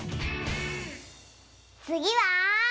つぎは。